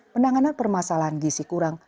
penanganan permasalahan gisi kurang